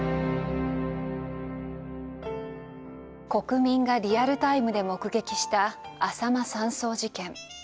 国民がリアルタイムで目撃したあさま山荘事件。